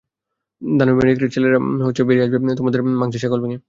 দানবীয় নেকড়ের ছেলেরা বেড়িয়ে আসবে তোমাদের মাংসের শেকল ভেঙে।